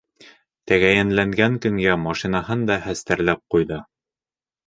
Тәғәйенләнгән көнгә машинаһын да хәстәрләп ҡуйҙы.